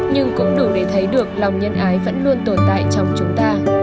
nhưng cũng đủ để thấy được lòng nhân ái vẫn luôn tồn tại trong chúng ta